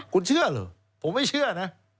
คุณเชื่อเหรอผมไม่เชื่อนะ